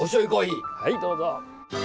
はいどうぞ。